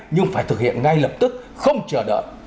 nhưng phải thực hiện ngay lập tức không chờ đợi